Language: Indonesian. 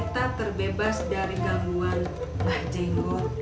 kita terbebas dari gangguan mbah jenggo